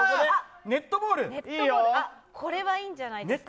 これはいいんじゃないですか？